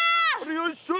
よいしょ。